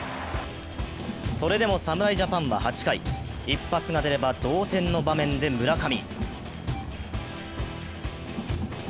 それでも侍ジャパンは８回、一発が出れば同点の場面で村上。